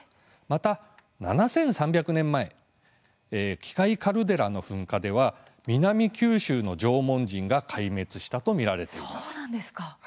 また、７３００年前鬼界カルデラの噴火では南九州の縄文人が壊滅したと見られています。